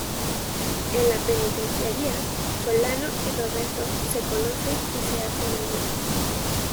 En la penitenciaria, Solano y Roberto se conocen y se hacen amigos.